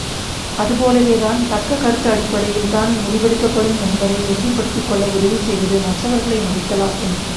அதுபோலவே தான், தக்க கருத்து அடிப்படையில்தான் முடிவெடுக்கப்படும் என்பதை உறுதிப் படுத்திக்கொள்ள உதவி செய்வது மற்றவர்களை மதித்தலாகும்.